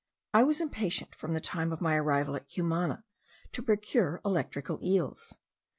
I was impatient, from the time of my arrival at Cumana, to procure electrical eels.